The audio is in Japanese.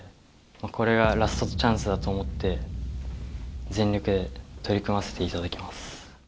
これがラストチャンスだと思って全力で取り組ませていただきます。